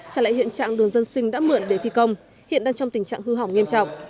trả lại hiện trạng đường dân sinh đã mượn để thi công hiện đang trong tình trạng hư hỏng nghiêm trọng